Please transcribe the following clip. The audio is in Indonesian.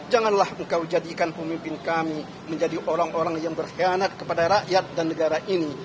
janganlah engkau jadikan pemimpin kami menjadi orang orang yang berkhianat kepada rakyat dan negara ini